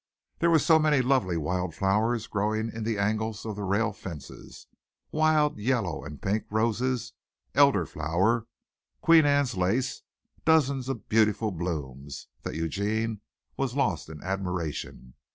There were so many lovely wild flowers growing in the angles of the rail fences wild yellow and pink roses, elder flower, Queen Anne's lace, dozens of beautiful blooms, that Eugene was lost in admiration.